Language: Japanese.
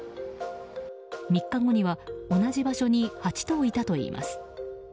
３日後には同じ場所に８頭いたといいます。